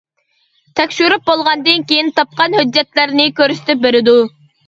تەكشۈرۈپ بولغاندىن كېيىن تاپقان ھۆججەتلەرنى كۆرسىتىپ بېرىدۇ.